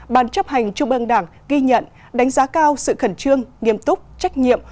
ban chấp hành trung ương đảng ghi nhận đánh giá cao sự khẩn trương nghiêm túc trách nhiệm